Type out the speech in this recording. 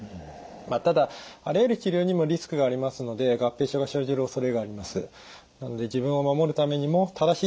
まあただあらゆる治療にもリスクがありますので合併症が生じる恐れがあります。